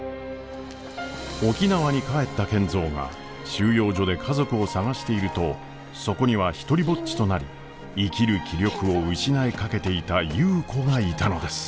沖縄に帰った賢三が収容所で家族を捜しているとそこには独りぼっちとなり生きる気力を失いかけていた優子がいたのです。